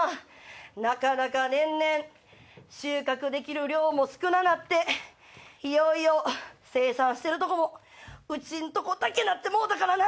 なかなか年々収穫できる量も少ななっていよいよ生産してるとこもうちんとこだけになってもうた。